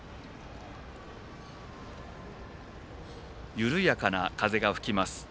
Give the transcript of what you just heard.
緩やかな風が吹きます。